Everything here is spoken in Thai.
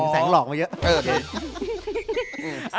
แสงหลอกมาเยอะ